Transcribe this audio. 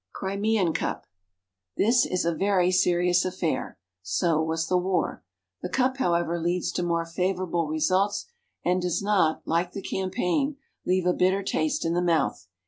Crimean Cup. This is a very serious affair. So was the war. The cup, however, leads to more favourable results, and does not, like the campaign, leave a bitter taste in the mouth.